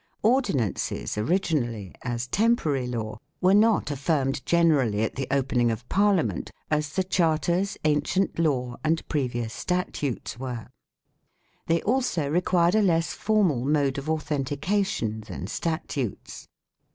Ordinances, origin ally, as temporary law, were not affirmed generally at the opening of Parliament as the charters, ancient law, and previous statutes were. They also required a less formal mode of authentication than statutes.